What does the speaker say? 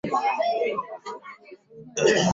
道光二十七年任内阁学士兼礼部侍郎。